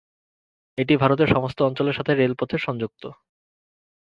এটি ভারতের সমস্ত অঞ্চলের সাথে রেলপথে সংযুক্ত।